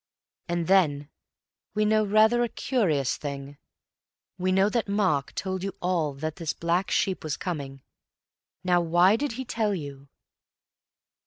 "And then we know rather a curious thing. We know that Mark told you all that this black sheep was coming. Now, why did he tell you?"